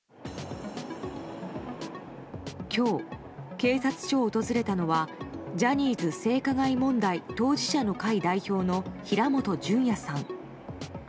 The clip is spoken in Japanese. きょう、警察署を訪れたのはジャニーズ性加害問題当事者の会代表の平本淳也さん。